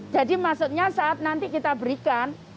jadi maksudnya saat nanti kita berikan